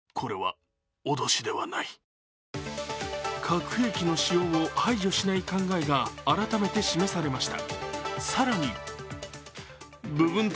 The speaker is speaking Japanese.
核兵器の使用を排除しない考えが改めて示されました、